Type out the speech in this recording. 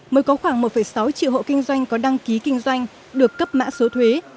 mới có khoảng một sáu triệu hộ kinh doanh có đăng ký kinh doanh được cấp mã số thuế